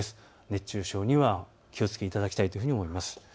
熱中症には気をつけていただきたいと思います。